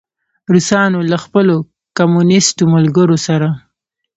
روسانو له خپلو کمونیسټو ملګرو سره.